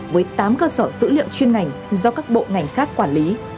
với tám cơ sở dữ liệu chuyên ngành do các bộ ngành khác quản lý